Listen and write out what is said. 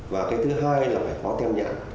và thứ hai là phải có thêm nhắn